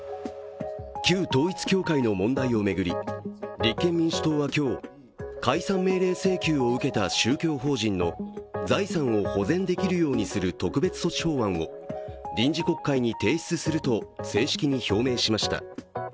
旧統一教会の問題を巡り立憲民主党は今日、解散命令請求を受けた宗教法人の財産を保全できるようにする特別措置法案を臨時国会に提出すると正式に表明しました。